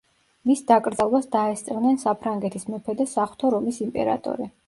მის დაკრძალვას დაესწრნენ საფრანგეთის მეფე და საღვთო რომის იმპერატორი.